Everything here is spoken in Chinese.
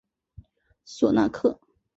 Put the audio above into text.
索纳克。